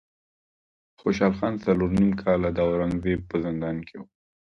خوشحال خان څلور نیم کاله د اورنګ زیب په زندان کې و.